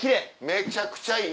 めちゃくちゃいい。